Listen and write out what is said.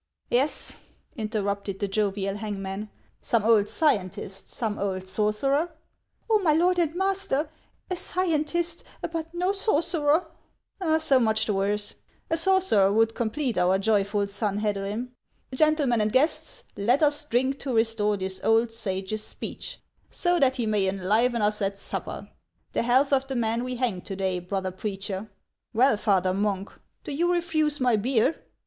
" Yes," interrupted the jovial hangman, " some old scien tist, some old sorcerer." " Oh, my lord and master, a scientist, but no sorcerer !"" So much the worse ; a sorcerer would complete our joyful Sanhedrim. Gentlemen and guests, let us drink to restore this old sage's speech, so that he may enliven us at supper; the health of the man we hanged to day, brother preacher ! Well, father monk, do you refuse my beer?"